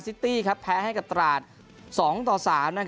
สิตี้ครับแพ้ให้กับตราดสองต่อสามนะครับ